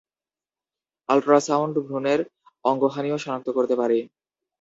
Ultrasound ভ্রূণের অঙ্গহানিও সনাক্ত করতে পারে।